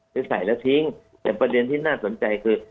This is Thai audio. หรือใส่แล้วทิ้งแต่ประเด็นที่น่าสนใจคือ